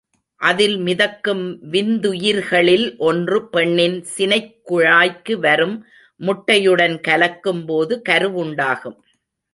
அதில் மிதக்கும் விந்துயிர்களில் ஒன்று பெண்ணின் சினைக்குழாய்க்கு வரும் முட்டையுடன் கலக்கும் போது கருவுண்டாகும்.